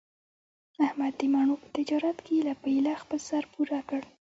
احمد د مڼو په تجارت کې ایله په ایله خپل سر پوره کړ.